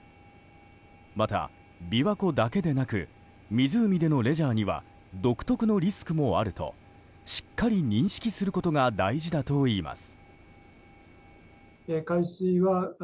また琵琶湖だけでなく湖でのレジャーには独特のリスクもあるとしっかり認識することが大事だといいます。